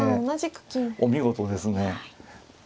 お見事ですね。